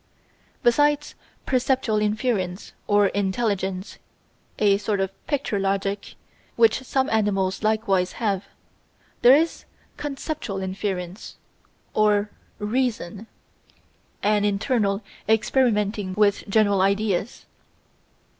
Besides perceptual inference or Intelligence a sort of picture logic, which some animals likewise have there is conceptual inference or Reason an internal experimenting with general ideas.